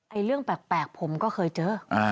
เรื่องแปลกผมก็เคยเจอ